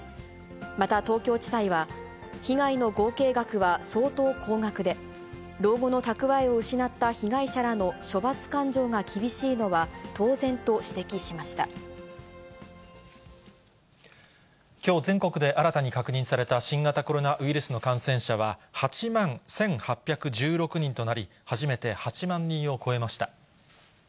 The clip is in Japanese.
また、東京地裁は、被害の合計額は相当高額で、老後の蓄えを失った被害者らの処罰感情が厳しいのは当然と指摘しきょう全国で、新たに確認された新型コロナウイルスの感染者は、８万１８１６人となり、初めて８万人を超えました。